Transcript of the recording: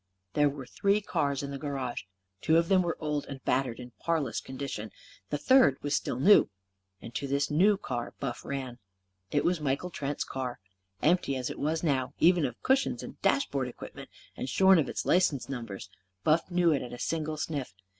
There were three cars in the garage. Two of them were old and battered and in parlous condition. The third was still new. And to this new car Buff ran. It was Michael Trent's car. Empty as it was now even of cushions and dashboard equipments, and shorn of its license numbers Buff knew it at a single sniff.